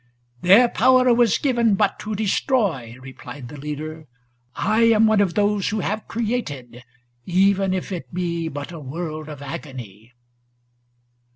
' Their power was given But to destroy,' replied the leader: ŌĆö ' I Am one of those who have created, even * If it be but a world of agony.'